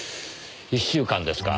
１週間ですか。